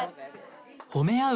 ほめ合う